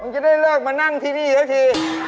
มึงจะได้เลิกมานั่งที่นี่หรือที่